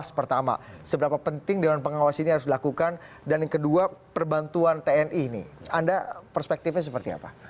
pertama seberapa penting dewan pengawas ini harus dilakukan dan yang kedua perbantuan tni ini anda perspektifnya seperti apa